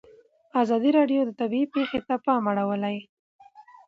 ازادي راډیو د طبیعي پېښې ته پام اړولی.